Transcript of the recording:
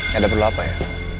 gak ada perlu apa ya